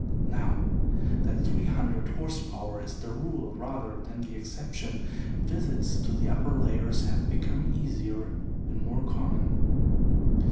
Now that three hundred horse power is the rule rather than the exception, visits to the upper layers have become easier and more common.